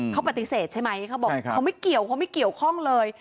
เขาปฏิเสธใช่ไหมเขาบอกเขาไม่เกี่ยวเขาไม่เกี่ยวข้องเลย